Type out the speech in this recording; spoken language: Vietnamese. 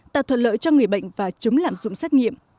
tạo thuận lợi cho người bệnh và chống lạm dụng xét nghiệm